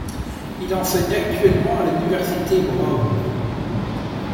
Il enseigne actuellement à l'université Brown.